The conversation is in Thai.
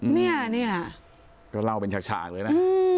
เนี่ยเนี่ยก็เล่าเป็นฉากฉากเลยนะ